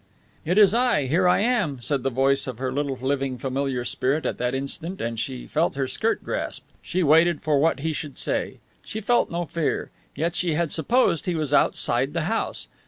"It is I. Here I am," said the voice of her little living familiar spirit at that instant, and she felt her skirt grasped. She waited for what he should say. She felt no fear. Yet she had supposed he was outside the house.